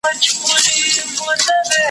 نه گناه کوم، نه توبه کاږم.